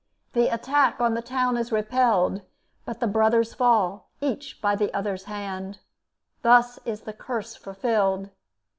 The attack on the town is repelled, but the brothers fall, each by the other's hand. Thus is the curse fulfilled.